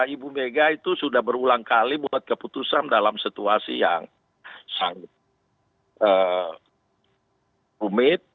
ibu mega itu sudah berulang kali buat keputusan dalam situasi yang sangat rumit